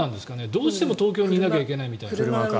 どうしても東京にいなきゃいけないというか。